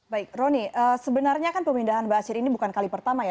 baik roni sebenarnya kan pemindahan ba'asyir ini bukan kali pertama ya